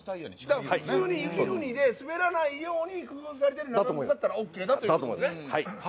雪国で滑らないように工夫されてる長ぐつだったらＯＫということですね。